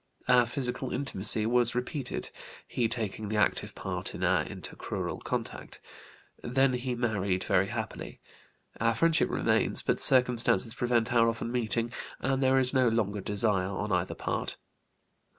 Our physical intimacy was repeated, he taking the active part in intercrural contact. Then he married very happily. Our friendship remains, but circumstances prevent our often meeting, and there is no longer desire on either part.